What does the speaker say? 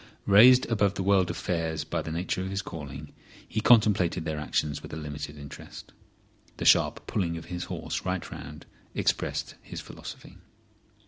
Raised above the world of fares by the nature of his calling, he contemplated their actions with a limited interest. The sharp pulling of his horse right round expressed his philosophy.